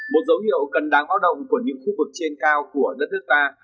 một dấu hiệu cần đáng ho động của những khu vực trên cao của đất nước ta